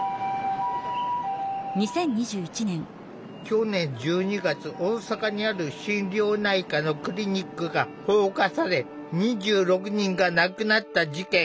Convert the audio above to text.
去年１２月大阪にある心療内科のクリニックが放火され２６人が亡くなった事件。